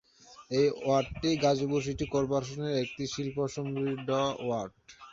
এই ওয়ার্ডটি গাজীপুর সিটি কর্পোরেশনের একটি শিল্প সমৃদ্ধ ওয়ার্ড।